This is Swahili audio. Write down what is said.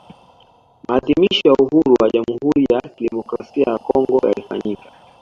Maadhimisho ya uhuru wa Jamhuri ya Kidemokrasia ya Kongo yalifanyika